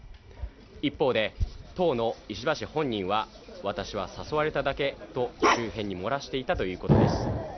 一方で当の石破氏本人は、私は誘われただけと周辺に漏らしていたということです。